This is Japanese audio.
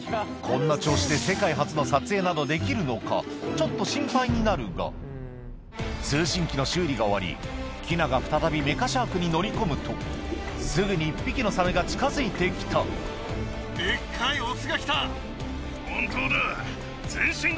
ちょっと心配になるが通信機の修理が終わりキナが再びメカシャークに乗り込むとすぐに１匹のサメが近づいて来た本当だ。